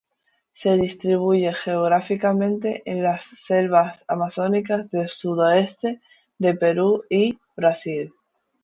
Se distribuye geográficamente en las selvas amazónicas del sudoeste de Perú y Brasil.